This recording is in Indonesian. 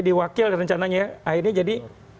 diwakil rencananya akhirnya jadi